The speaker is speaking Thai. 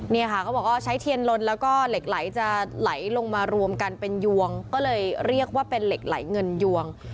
เนี่ยค่ะเขาบอกว่าใช้เทียนลนแล้วก็เหล็กไหลจะไหลลงมารวมกันเป็นยวงก็เลยเรียกว่าเป็นเหล็กไหลเงินยวง